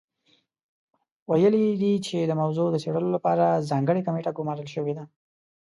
ویلي یې دي چې د موضوع د څېړلو لپاره ځانګړې کمېټه ګمارل شوې ده.